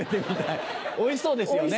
おいしそうですよね。